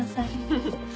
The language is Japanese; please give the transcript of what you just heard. フフフ。